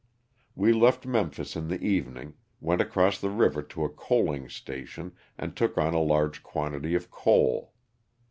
We left Memphis in the evening, went across the river to a coaling station and took on a large quantity of coal.